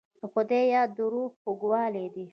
د خدای یاد د روح خوږوالی دی.